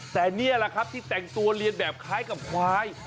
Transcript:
แต่นี่แหละครับที่แต่งตัวเรียนแบบคล้ายกับควาย